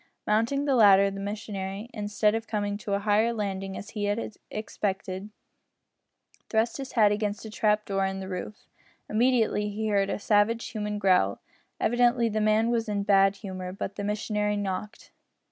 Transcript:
Mounting the ladder, the missionary, instead of coming to a higher landing as he had expected, thrust his hat against a trap door in the roof. Immediately he heard a savage human growl. Evidently the man was in a bad humour, but the missionary knocked.